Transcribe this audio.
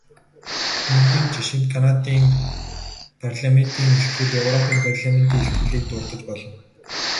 Хөмрөгийн жишээнд Канадын парламентын илтгэл, европын парламентын илтгэлийг дурдаж болно.